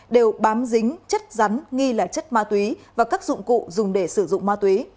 đều bám dính chất rắn nghi là chất ma túy và các dụng cụ dùng để sử dụng ma túy